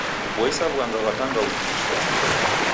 Kuboisa w'ughanga ghwa tangauzi ni shwaa.